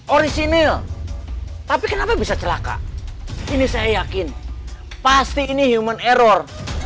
orisinil tapi kenapa bisa celaka ini saya yakin pasti ini human error